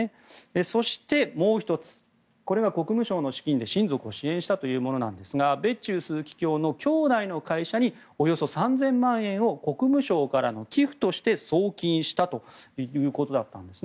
そして、もう１つこれは国務省の資金で親族を支援したというものですがベッチウ枢機卿の兄弟の会社におよそ３０００万円を国務省からの寄付として送金したということです。